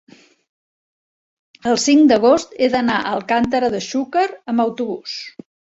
El cinc d'agost he d'anar a Alcàntera de Xúquer amb autobús.